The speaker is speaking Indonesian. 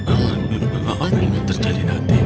apa yang akan terjadi nanti